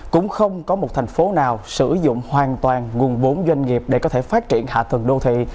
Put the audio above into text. cũng không có một thành phố nào sử dụng hoàn toàn nguồn vốn doanh nghiệp để có thể phát triển hạ tầng đô thị